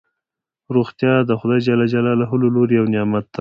روغتیا دخدای ج له لوری یو نعمت دی